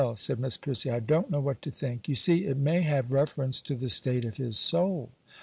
said Miss Prissy, 'I don't know what to think. You see, it may have reference to the state of his soul.